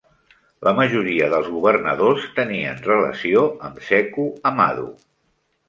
La majoria dels governadors tenien relació amb Seku Amadu.